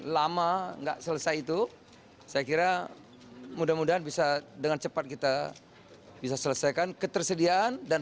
lama nggak selesai itu saya kira mudah mudahan bisa dengan cepat kita bisa selesaikan ketersediaan dan